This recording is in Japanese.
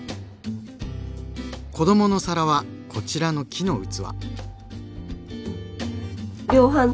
子どもの皿はこちらの木の器。